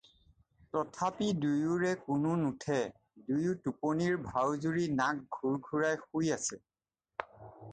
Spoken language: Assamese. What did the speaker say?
তথাপি দুয়োৰে কোনো নুঠে, দুয়ো টোপনিৰ ভাও জুৰি নাক ঘোৰ্ঘোৰাই শুই আছে।